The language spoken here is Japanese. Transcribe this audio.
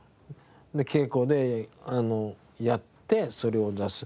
稽古であのやってそれを出す。